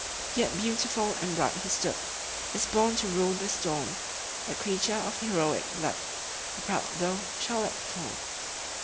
"Yet beautiful and bright he stood, As born to rule the storm A creature of heroic blood, A proud though childlike form."